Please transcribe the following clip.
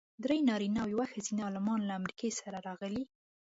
درې نارینه او یوه ښځینه عالمان له امریکې راسره راغلي.